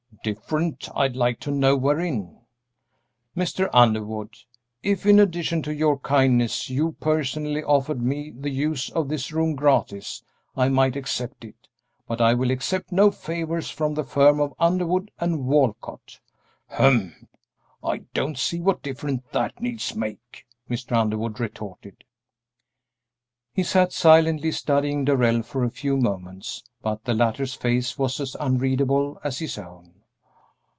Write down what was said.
"Different! I'd like to know wherein." "Mr. Underwood, if, in addition to your other kindnesses, you personally offered me the use of this room gratis, I might accept it; but I will accept no favors from the firm of Underwood & Walcott." "Humph! I don't see what difference that need make!" Mr. Underwood retorted. He sat silently studying Darrell for a few moments, but the latter's face was as unreadable as his own.